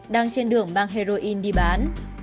đang trên đường mang heroin đi bán